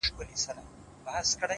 خدائ خو دې تا پۀ چل د دۀ پوهه کړي